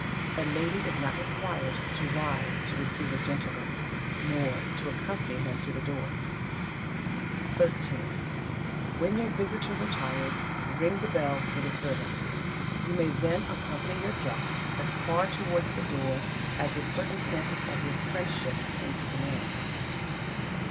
A lady is not required to rise to receive a gentleman, nor to accompany him to the door. xiii. When your visitor retires, ring the bell for the servant. You may then accompany your guest as far towards the door as the circumstances of your friendship seem to demand.